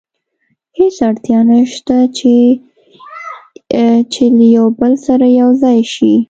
هېڅ اړتیا نه شته چې له یو بل سره یو ځای شي.